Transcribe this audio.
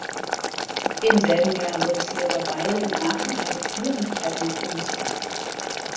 Im selben Jahr wurde Theodor Veil in Aachen emeritiert und kehrte nach Ulm zurück.